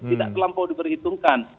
tidak kelampau diperhitungkan